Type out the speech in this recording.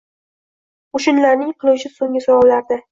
Qo‘shinlarning qiluvchi “so‘nggi so‘rovlar”da